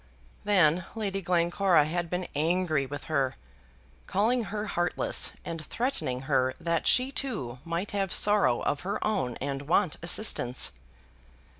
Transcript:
Then Lady Glencora had been angry with her, calling her heartless, and threatening her that she too might have sorrow of her own and want assistance.